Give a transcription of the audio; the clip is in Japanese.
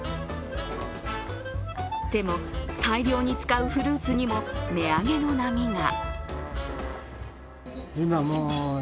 でも、大量に使うフルーツにも値上げの波が。